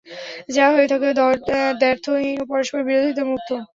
যা হয়ে থাকে দ্ব্যর্থহীন ও পরস্পর বিরোধিতা মুক্ত।